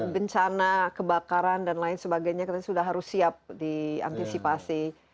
bencana kebakaran dan lain sebagainya sudah harus siap diantisipasi